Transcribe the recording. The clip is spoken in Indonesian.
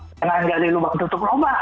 dengan gali lubang tutup lomba